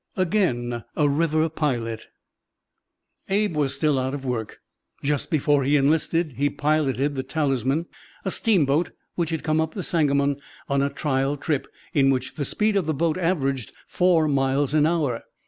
AGAIN A RIVER PILOT Abe was still out of work. Just before he enlisted he piloted the Talisman, a steamboat which had come up the Sangamon on a trial trip, in which the speed of the boat averaged four miles an hour.